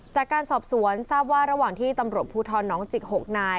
จากการสอบสวนทราบว่าระหว่างที่ตำรวจภูทรน้องจิก๖นาย